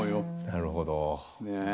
なるほど。